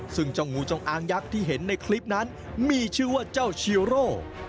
ซึ่งเจ้างูจงอางยักษ์ที่เห็นในคลิปนั้นมีชื่อว่าเจ้าชีโร่